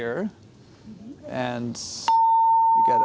dan kemudian ke putih